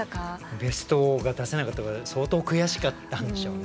ベストが出せなかったから相当悔しかったんでしょうね。